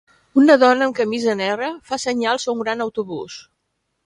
Una dona amb camisa negra fa senyals a un gran autobús.